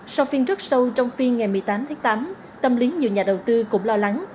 sau phiên rất sâu trong phiên ngày một mươi tám tháng tám tâm lý nhiều nhà đầu tư cũng lo lắng